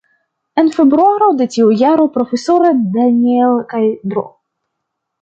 En februaro de tiu jaro, Profesoro Daniel kaj Dro.